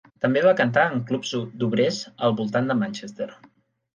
També va cantar en clubs d'obrers al voltant de Manchester.